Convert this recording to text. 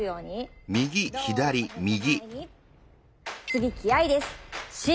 次気合いです。